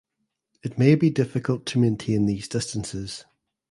It may be difficult to maintain these distances.